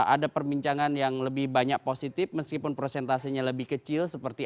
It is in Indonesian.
ada perbincangan yang lebih banyak positif meskipun prosentasenya lebih kecil seperti